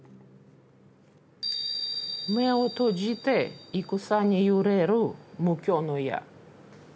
「目を閉じて戦に揺れる無窮の野」。